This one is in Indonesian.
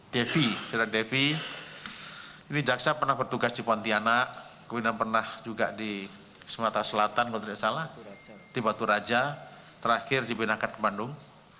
jaksa devianti ini pernah bertugas di pontianak kemudian pernah juga di semarata selatan di batu raja terakhir di penangkat bandung